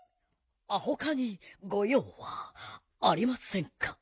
あほかにごようはありませんか？